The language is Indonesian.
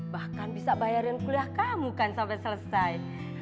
bahkan bisa bayarin kuliah kamu kan sampai selesai